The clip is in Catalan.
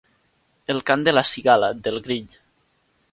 El cant de la cigala, del grill.